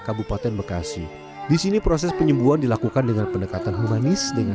kabupaten bekasi disini proses penyembuhan dilakukan dengan pendekatan humanis dengan